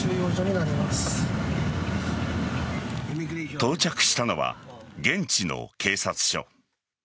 到着したのは現地の警察署。